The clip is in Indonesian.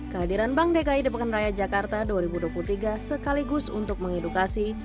kehadiran bank dki di pekan raya jakarta dua ribu dua puluh tiga sekaligus untuk mengedukasi